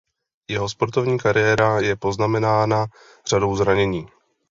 Jeho sportovní kariéra je poznamenána řadou zranění.